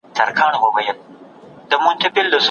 چېري مساوات یوازي یو شعار نه دی؟